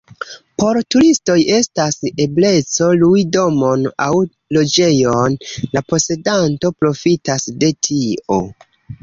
Por turistoj estas ebleco lui domon aŭ loĝejon, la posedanto profitas de tio.